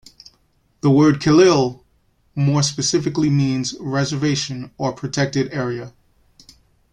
The word "kilil" more specifically means "reservation" or "protected area".